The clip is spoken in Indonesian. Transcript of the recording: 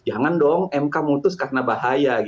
jangan dong mk mutus karena bahaya